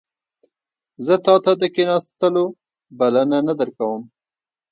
زه تا ته د کښیناستلو بلنه نه درکوم